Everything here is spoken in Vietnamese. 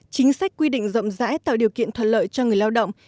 chính sách quy định rộng rãi tạo điều kiện thuận lợi cho người lao động